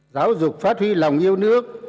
giáo dục phát huy lòng yêu nước